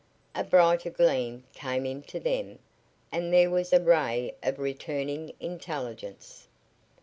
A brighter gleam came into them, and there was a ray of returning intelligence.